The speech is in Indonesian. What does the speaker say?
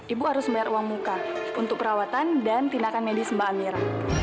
ibu harus bayar uang muka untuk perawatan dan tindakan medis mbak amira